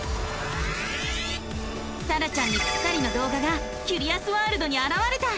さらちゃんにぴったりの動画がキュリアスワールドにあらわれた！